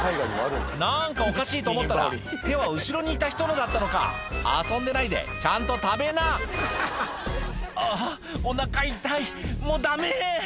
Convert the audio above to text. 何かおかしいと思ったら手は後ろにいた人のだったのか遊んでないでちゃんと食べな「あぁおなか痛いもうダメ！」